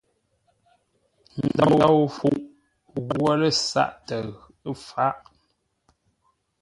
Ndou fuʼ ghwo lə́ sáʼ təʉ fáʼ.